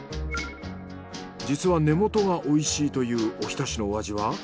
実は根元がおいしいというおひたしのお味は？